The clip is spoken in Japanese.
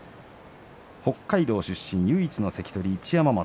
北海道出身、唯一の関取一山本。